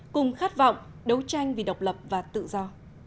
cùng khát vọng đấu tranh vì độc lập và tự do